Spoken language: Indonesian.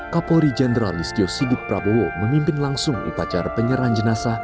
kapolri jenderal listio sigit prabowo memimpin langsung upacara penyerahan jenazah